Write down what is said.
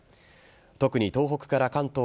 特に東北から関東